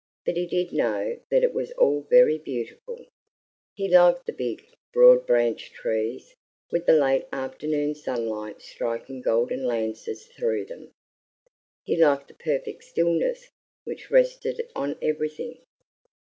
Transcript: But he did know that it was all very beautiful. He liked the big, broad branched trees, with the late afternoon sunlight striking golden lances through them. He liked the perfect stillness which rested on everything.